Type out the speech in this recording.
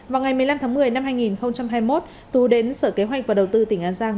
vào ngày một mươi năm tháng một mươi năm hai nghìn hai mươi một tú đến sở kế hoạch và đầu tư tỉnh an giang